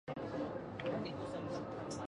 江苏省常州府武进县人。